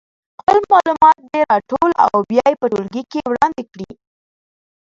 خپل معلومات دې راټول او بیا یې په ټولګي کې وړاندې کړي.